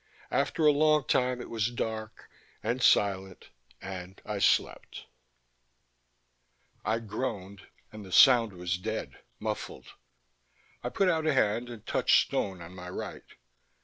After a long time it was dark, and silent, and I slept. I groaned and the sound was dead, muffled. I put out a hand and touched stone on my right.